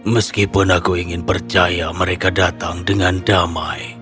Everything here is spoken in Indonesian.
meskipun aku ingin percaya mereka datang dengan damai